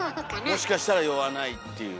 もしかしたら酔わないっていう。